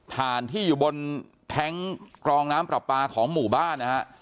ฐานที่อยู่บนแท้งกรองน้ำปลาปลาของหมู่บ้านนะฮะ